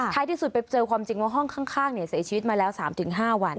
ที่สุดไปเจอความจริงว่าห้องข้างเสียชีวิตมาแล้ว๓๕วัน